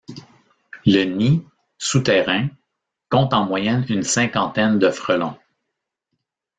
Le nid, souterrain, compte en moyenne une cinquantaine de frelons.